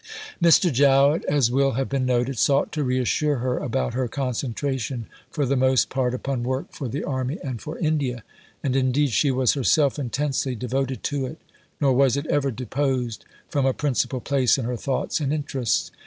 Mr. Jowett, as will have been noted, sought to reassure her about her concentration for the most part upon work for the Army and for India. And indeed she was herself intensely devoted to it, nor was it ever deposed from a principal place in her thoughts and interests.